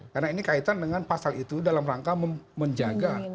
karena ini kaitan dengan pasal itu dalam rangka menjaga